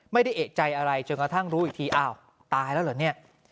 ไม่ได้เอกใจอะไรจนกระทั่งรู้อีกทีอ้าวตายแล้วเหรอเนี่ย